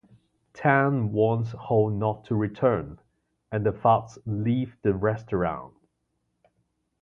Tang warns Ho not to return, and the thugs leave the restaurant.